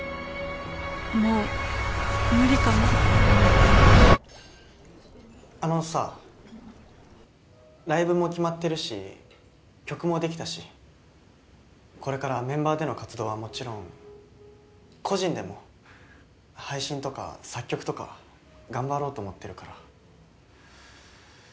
私あのさライブも決まってるし曲も出来たしこれからメンバーでの活動はもちろん個人でも配信とか作曲とか頑張ろうと思ってるから。